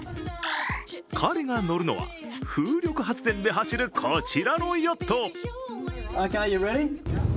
彼が乗るのは風力発電で走るこちらのヨット。